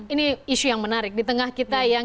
ini isu yang menarik di tengah kita yang